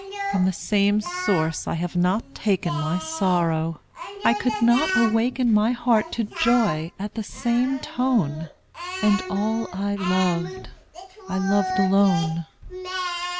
From the same source I have not taken My sorrow; I could not awaken My heart to joy at the same tone; And all I loved, I loved alone.